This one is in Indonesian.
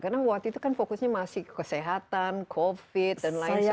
karena waktu itu kan fokusnya masih kesehatan covid dan lain sebagainya